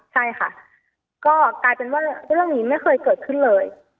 ใช่ค่ะก็กลายเป็นว่าเรื่องนี้ไม่เคยเกิดขึ้นเลย